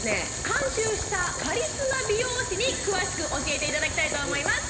監修したカリスマ美容師に詳しく教えていただきたいと思います